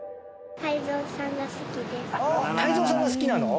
泰造さんが好きなの？